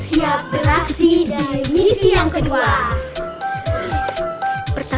ini untuk salah satu bukti